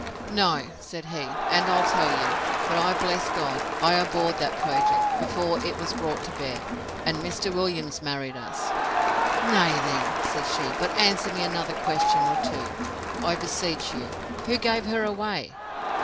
No, said he; and I'll tell you, that I bless God, I abhorred that project, before it was brought to bear: and Mr. Williams married us.—Nay then, said she—but answer me another question or two, I beseech you: Who gave her away?